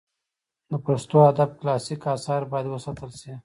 د پښتو ادب کلاسیک آثار باید وساتل سي.